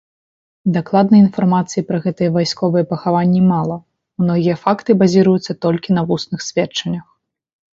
Дакладнай інфармацыі пра гэтыя вайсковыя пахаванні мала, многія факты базіруюцца толькі на вусных сведчаннях.